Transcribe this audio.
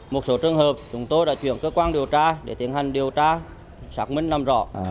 một số trường hợp chúng tôi đã chuyển cơ quan điều tra để tiến hành điều tra xác minh làm rõ